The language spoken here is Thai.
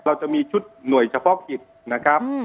เราจะมีชุดหน่วยเฉพาะกิจนะครับ